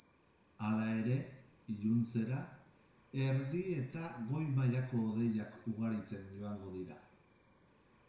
Hala ere, iluntzera, erdi eta goi-mailako hodeiak ugaritzen joango dira.